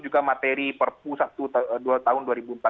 juga materi perpu satu tahun